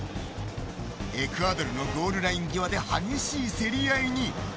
エクアドルのゴールライン際で激しい競り合いに。